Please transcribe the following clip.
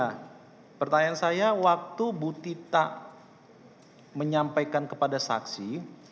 nah pertanyaan saya waktu bu tita menyampaikan kepada saksi